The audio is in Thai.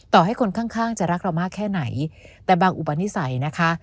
ต่อให้คนข้างข้างจะรักเรามากแค่ไหนแต่บางอุปนิสัยนะคะ